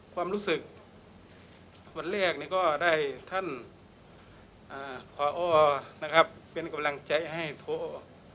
ความรู้สึกวันแรกก็ได้ท่านพอนะครับเป็นกำลังใจให้โทร